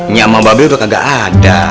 nyama mbak beng udah kagak ada